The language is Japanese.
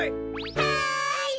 はい！